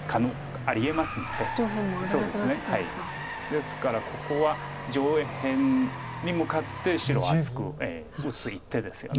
ですからここは上辺に向かって白は厚く打つ一手ですよね。